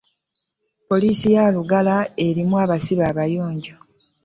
Polisi yelugala nga erimu absibe abayonjo.